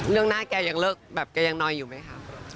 เรื่องหน้าแกยังเลิกแบบแกยังน้อยอยู่ไหมคะ